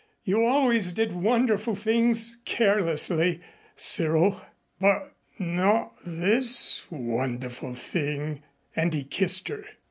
You always did wonderful things carelessly, Cyril." "But not this wonderful thing " and he kissed her.